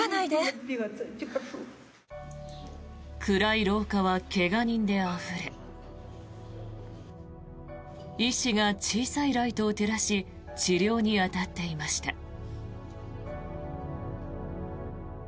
暗い廊下は怪我人であふれ医師が小さいライトを照らし治療に当たっていました。